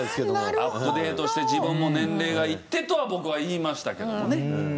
アップデートして自分も年齢がいってとは僕は言いましたけどもね。